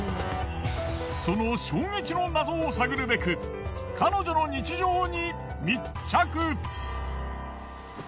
その衝撃の謎を探るべく彼女の日常に密着。